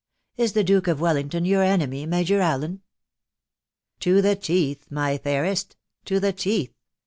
Is the Duke of Wel lington your enemy, Major Allen ?" "To the teeth, my fairest! to the teeth!"